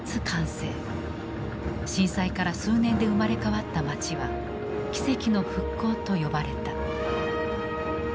震災から数年で生まれ変わった街は「奇跡の復興」と呼ばれた。